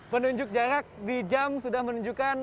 penunjuk jarak di jam sudah menunjukkan